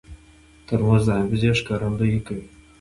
ترموز د حافظې ښکارندویي کوي.